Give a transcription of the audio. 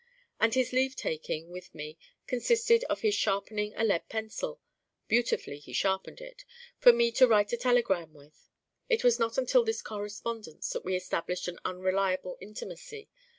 And his leave taking with me consisted in his sharpening a lead pencil beautifully he sharpened it for me to write a telegram with. It was not until this correspondence that we established an unreliable intimacy.